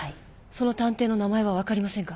その探偵の名前は分かりませんか？